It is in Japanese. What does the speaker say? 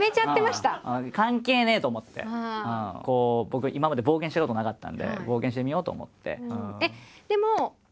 僕今まで冒険したことなかったんで冒険してみようと思って。